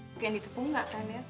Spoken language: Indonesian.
bukan itu pun enggak sandir